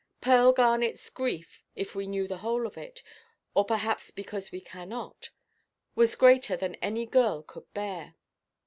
Pearl Garnetʼs grief, if we knew the whole of it, or perhaps because we cannot, was greater than any girl could bear.